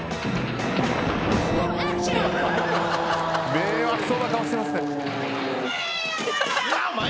迷惑そうな顔してますね。